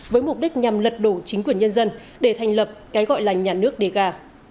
với mục đích nhằm lật đổ chính quyền nhân dân để thành lập cái gọi là nhà nước đề gà